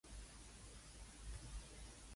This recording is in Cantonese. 開、休、生、傷、杜、景、驚、死為八門故名「奇門」